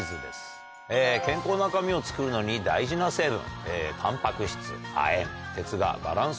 健康な髪を作るのに大事な成分。